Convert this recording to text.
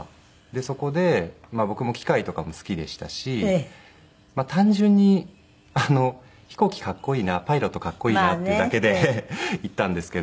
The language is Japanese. そこで僕も機械とかも好きでしたし単純に飛行機かっこいいなパイロットかっこいいなっていうだけで行ったんですけど。